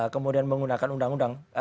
kemudian menggunakan undang undang